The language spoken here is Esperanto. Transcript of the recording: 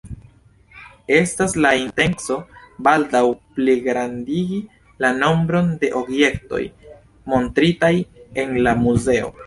Estas la intenco baldaŭ pligrandigi la nombron de objektoj montritaj en la muzeo.